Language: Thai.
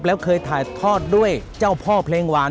แล้วเคยถ่ายทอดด้วยเจ้าพ่อเพลงหวาน